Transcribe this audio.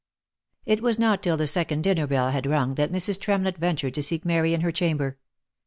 It was not till the second dinner bell had rung, that Mrs. Tremlett ventured to seek Mary in her chamber.